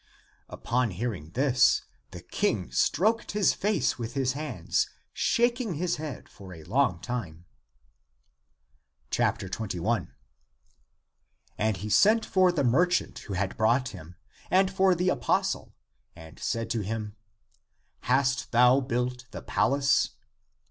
Upon hearing this, the King stroked his face with his hands, shaking his head for a long time. 21. And he sent for the merchant who had brought him, and for the apostle, and said to him, " Hast thou built the palace